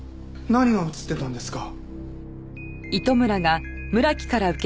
何が映ってたんですか？